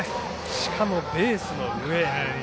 しかもベースの上。